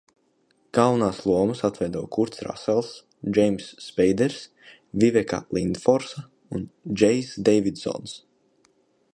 Galvenās lomas atveido Kurts Rasels, Džeimss Speiders, Viveka Lindforsa un Džejs Deividsons.